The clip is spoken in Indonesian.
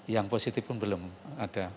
yang positif pun belum ada